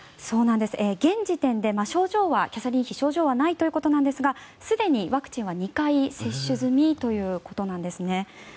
現時点でキャサリン妃に症状はないということなんですがすでにワクチンは２回接種済みということなんですね。